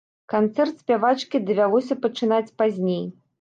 Канцэрт спявачкі давялося пачынаць пазней.